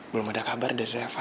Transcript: belum ada kabar dari reva